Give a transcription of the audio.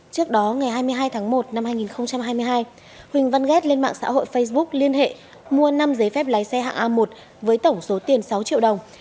trước đó ngày hai mươi hai tháng một năm hai nghìn hai mươi hai huỳnh văn ghét lên mạng xã hội facebook liên hệ mua năm giấy phép lái xe hạng a một với tổng số tiền sáu triệu đồng